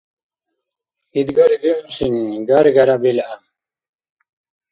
Гидгари бигӀунсини гяргяра билгӀя.